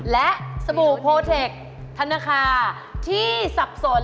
และสบู่โพเทคธนคาที่สับสน